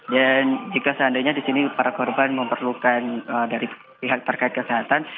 dan jika seandainya disini para korban memperlukan dari pihak terkait kesehatan